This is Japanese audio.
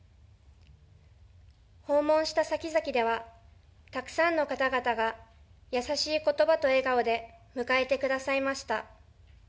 訪問した先々ではたくさんの方々が優しいことばと笑顔で迎えてくださいました。